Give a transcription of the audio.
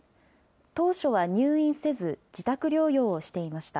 当初は入院せず、自宅療養をしていました。